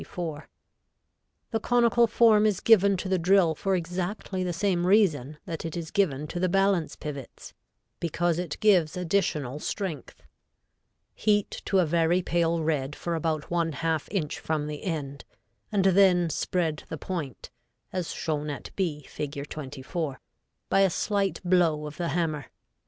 The conical form is given to the drill for exactly the same reason that it is given to the balance pivots, because it gives additional strength. Heat to a very pale red for about one half inch from the end, and then spread the point, as shown at B, Fig. 24, by a slight blow of the hammer.